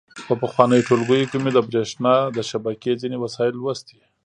په پخوانیو ټولګیو کې مو د برېښنا د شبکې ځینې وسایل لوستي.